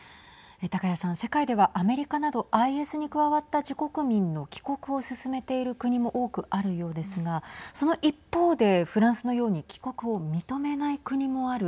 高谷さん、世界ではアメリカなどＩＳに加わった自国民の帰国を進めている国も多くあるようですがその一方で、フランスのように帰国を認めない国もある。